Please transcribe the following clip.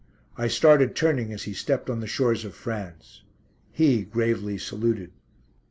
I started turning as he stepped on the shores of France. He gravely saluted.